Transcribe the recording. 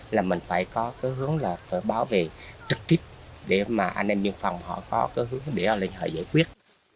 là mình phải có hướng bảo vệ trực tiếp để mà anh em biên phòng họ có hướng để họ giải quyết